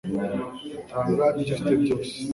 tanga ibyo ufite byose